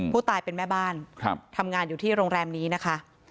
ผู้ตายเป็นแม่บ้านทำงานอยู่ที่โรงแรมนี้นะคะ